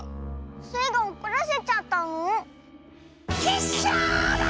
スイがおこらせちゃったの？